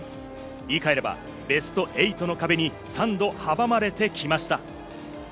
言い換えればベスト８の壁に３度阻まれてきました。